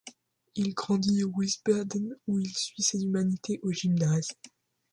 Il grandit à Wiesbaden, où il suit ses humanités au Gymnase.